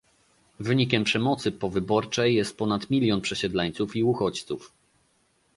Wynikiem przemocy powyborczej jest ponad milion przesiedleńców i uchodźców